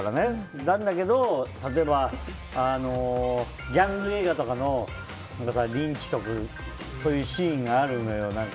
知りたくないけど例えば、ギャング映画とかのリンチとかそういうシーンがあるのよ。